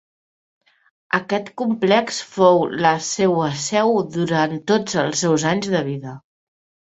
Aquest complex fou la seua seu durant tots els seus anys de vida.